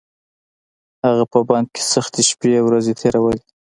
هغه په بند کې سختې شپې ورځې تېرولې.